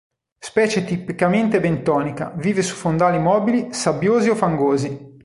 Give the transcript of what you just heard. Specie tipicamente bentonica, vive su fondali mobili, sabbiosi o fangosi.